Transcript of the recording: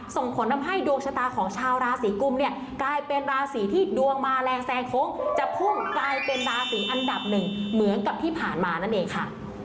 ส่งผลทำให้ดวงชะตาของชาวราศีกุมเนี่ยกลายเป็นราศีที่ดวงมาแรงแซงโค้งจะพุ่งกลายเป็นราศีอันดับหนึ่งเหมือนกับที่ผ่านมานั่นเองค่ะ